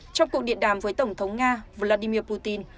trong cuộc điện đàm với tổng thống nga vladimir putin